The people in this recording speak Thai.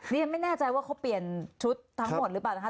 นี่ยังไม่แน่ใจว่าเขาเปลี่ยนชุดทั้งหมดหรือเปล่านะคะ